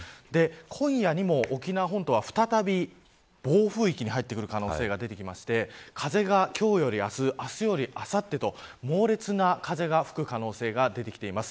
今夜にも沖縄本島は再び暴風域に入ってくる可能性が出てきまして風が今日より明日明日よりあさってと猛烈な風が吹く可能性が出てきています。